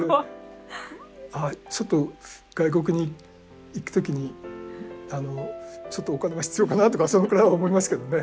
ちょっと外国に行く時にちょっとお金は必要かなとかそれくらいは思いますけどね。